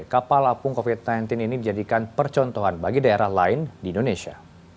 kapal apung covid sembilan belas ini dijadikan percontohan bagi daerah lain di indonesia